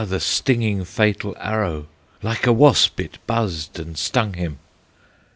the singing, fatal arrow, Like a wasp it buzzed and stung him!